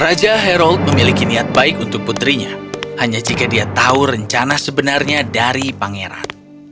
raja hairold memiliki niat baik untuk putrinya hanya jika dia tahu rencana sebenarnya dari pangeran